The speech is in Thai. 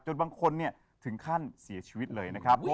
บางคนถึงขั้นเสียชีวิตเลยนะครับ